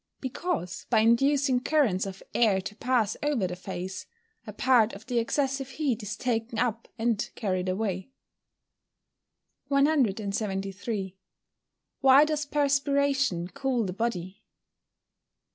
_ Because, by inducing currents of air to pass over the face, a part of the excessive heat is taken up and carried away. 173. _Why does perspiration cool the body?